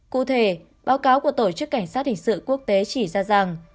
cụ thể báo cáo của tổ chức cảnh sát hình sự quốc tế chỉ ra rằng